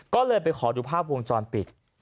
ก็เลยไปขอดูภาพวงจรปิด